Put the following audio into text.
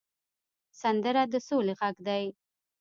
سندره د سولې غږ دی